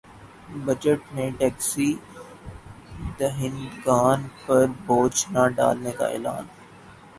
budget میں tax دہندگان پر بوجھ نہ ڈالنے کا اعلان